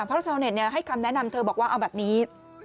เพราะชาวเน็ตให้คำแนะนำเธอบอกว่าเอาแบบนี้